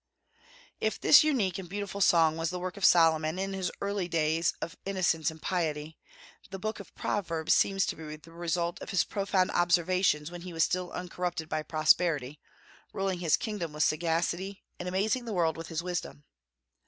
If this unique and beautiful Song was the work of Solomon in his early days of innocence and piety, the book of Proverbs seems to be the result of his profound observations when he was still uncorrupted by prosperity, ruling his kingdom with sagacity and amazing the world with his wisdom.